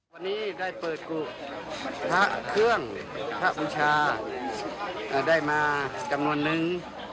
วันนี้ได้เปิดกุพระเครื่องพระบูชาได้มาจำนวนนึง